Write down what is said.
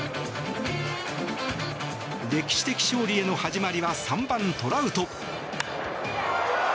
歴史的勝利への始まりは３番、トラウト。